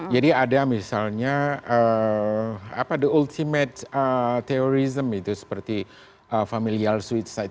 jadi ada misalnya apa the ultimate terrorism itu seperti familial suicide